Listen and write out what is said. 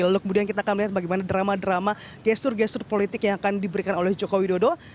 lalu kemudian kita akan melihat bagaimana drama drama gestur gestur politik yang akan diberikan oleh joko widodo